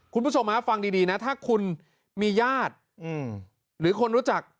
คุณผู้ชมฮะฟังดีนะถ้าคุณมีญาติหรือคนรู้จัก